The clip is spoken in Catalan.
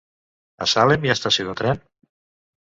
A Salem hi ha estació de tren?